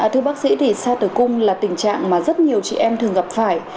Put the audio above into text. thưa bác sĩ thì sao tử cung là tình trạng mà rất nhiều chị em thường gặp phải